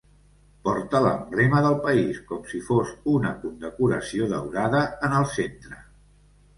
Porta l'emblema del país com si fos una condecoració daurada en el centre.